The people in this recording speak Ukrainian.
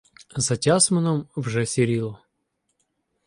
За Тясмином вже сіріло.